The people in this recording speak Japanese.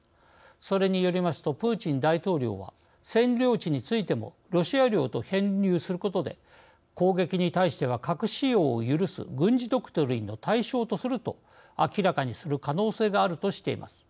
それによりますとプーチン大統領は占領地についてもロシア領と編入することで攻撃に対しては核使用を許す軍事ドクトリンの対象とすると明らかにする可能性があるとしています。